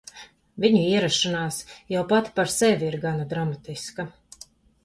Viņu ierašanās jau pati par sevi ir gana dramatiska.